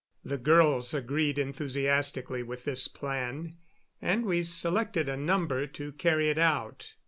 The girls agreed enthusiastically with this plan, and we selected a number to carry it out.